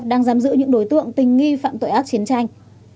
đang giam giữ những đối tượng tình nghi phạm tội ác chiến tranh